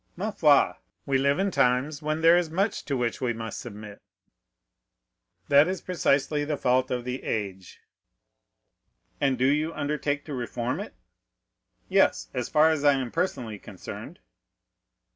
"Ma foi! we live in times when there is much to which we must submit." "That is precisely the fault of the age." "And do you undertake to reform it?" "Yes, as far as I am personally concerned."